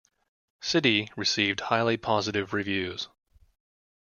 "City" received highly positive reviews.